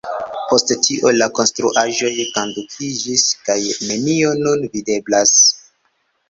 Post tio la konstruaĵoj kadukiĝis, kaj nenio nun videblas.